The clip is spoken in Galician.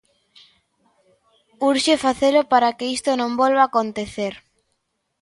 Urxe facelo para que isto non volva acontecer.